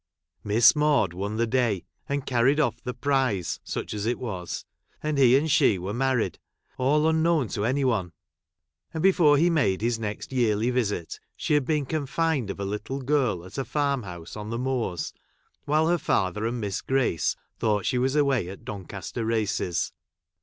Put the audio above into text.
Miss Maude won the day and carried off" the prize, such as it was ; and he and she were married, all unknown to any one ; and before he made his next yearly visit, she had been confined of a little girl at a fai'm house on the Moors, while her father and Miss Grace thought she was away at Doncaster Races.